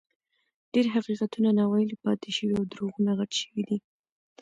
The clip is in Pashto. ډېر حقیقتونه ناویلي پاتې شوي او دروغونه غټ شوي دي.